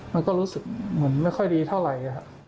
มันก็รู้สึกเหมือนไม่ค่อยดีเท่าไหร่